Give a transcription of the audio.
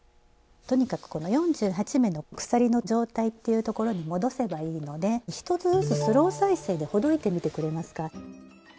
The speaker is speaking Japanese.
とにかくこの４８目の鎖の状態っていうところに戻せばいいので１つずつ「スロー再生」でほどいてみてくれますか？